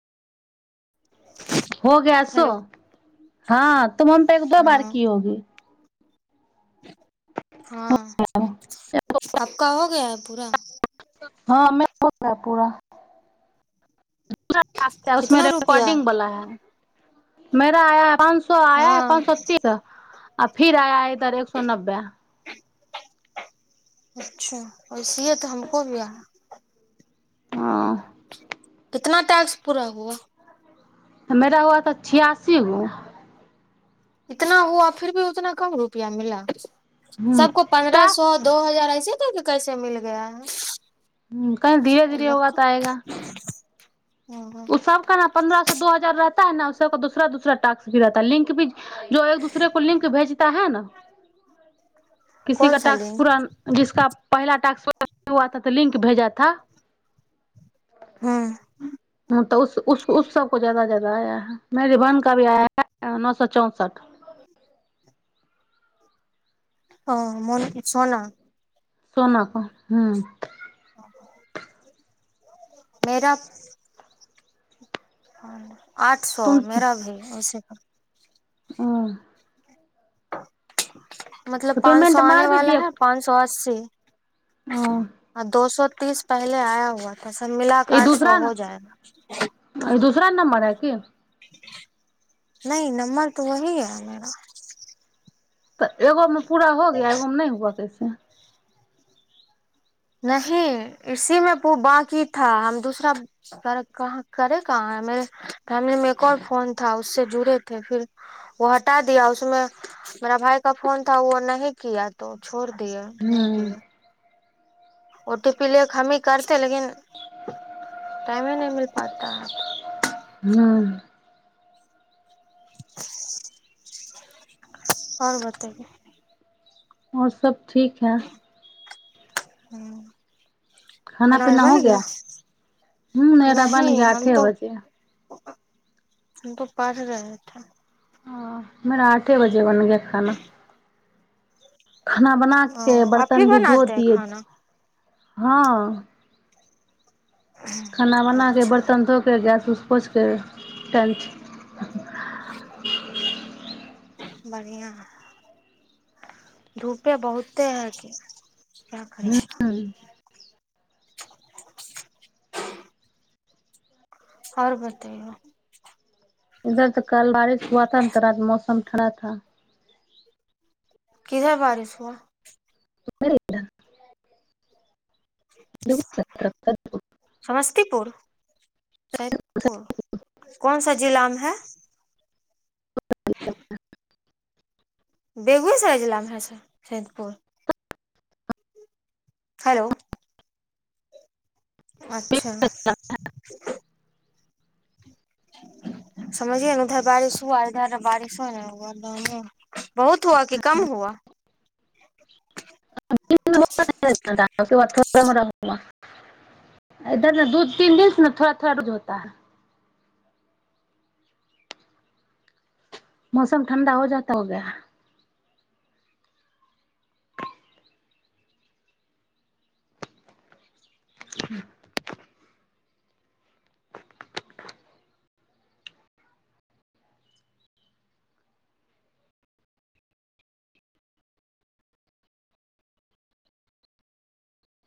हो गया सो हेलो हँ तुम हम पे एक दो बार हाँ की होगी [inaudible] हाँ आपका हो गया है पूरा हँ मेरा हो गया पूरा दुसरा पार्ट था उसमे कितना रुपया रिकॉर्डिंग बला है मेरा आया पाँंच सए आय है हाँ पाँच सए तीद आ फिर आया इधर एक सए नब्बे अच्छा इसीलए तऽ हमको भी आ हँ कितना टाक्स पूरा हुआ मेरा हुआ तऽ छआसी गो इतना हुआ फिर भी उतना कम रुपआ मिला हम्म सबको पन्द्रह क्या सए दो हजार आ ऐसै कैसे कैसे मिल गया है ह कहल धीरे उन धीरे लोग होगा को तऽ आएगा हम्म ओ सब क ने पन्द्रह स दू हजार रहत न उस दूसरा दूसरा टास्क भी रहताै लिंक भी जो एक दूसरे को लिंक भेजता है न किसी कौन का सा टाक्स लिंक पुरा जिसका पहिला टाक्स हुआथा तऽ लिंक भेजाथा हँ तऽ उस उस उस सबको जादा जादा आया है मेरी बहन का भी आया है नौ सौ चौंसठ हँ मो सोना सोना क हू मेरा हँ ने आठ सौ मेरा भी उसे ह [inaudible] मतलब तो पाँन सौ पेमेंट आने मार भी वाला दिए है पाँन सौ आस्सी [inaudible] आ दो सौ तीस पहिले आया हुआ त सब मिलाक ई आठ सौ हो जाएगा दुसर नंबर है की नहि नबंर तोऽ वही ह मेरा तऽ एगोमे पूरा हो गया एगो नहि हुआ कैसे तऽ नहि इसी में बांकी था दूसरा क करे कहाँ हैं मेरे फेमली में एगो और फोन था उसे से जुड़े थे फिर हटा दिया मेरे भाइ का फोन था वो नहीं किया तो छोर दिये नहि हम्म किये ओ टी पी ले हमी करते लेकिन टाइम नहि मिल पाता है हम्म ओर बतैयौ ओर सब ठीक है ह्म खाना पीना हो गया ह मेरा बन नहीं गया हम आठे तो बजे हम तो पढ़ रहे थे हाँ मेरा आठे बजे बन गया खाना खाना बना ओ के आप ही बर्त्तन भी धो बनाते हैं दिये खाना हाँ खाना बना के अच्छा बरतन धोके के गैस उस पोछ के टंच बढ़ियां है धूपे बहुते है की क्या करीएगा और बतैयौ इधर तऽ कल बारिश हुआ था न तो रात मौसम खड़ा था किधर बारिश हुआ मेरे इधर समस्तीपुर सैदपुर कौन सा जिला मे है [unintelligible] बेगुसराय जिलामे है सैदपुर हैलो अच्छा समझिए ने उधर बारिश हुआ इधर बारिशो नै हुआ बहुत हुआ कि कम हुआ इधर दू तीन दिनसँ ने थोड़ा थोड़ाू होता ह [unintelligible] मौसम ठण्डा हो जाता हो गया ह [inaudible]